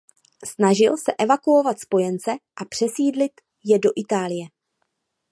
Snažil se evakuovat spojence a přesídlit je do Itálie.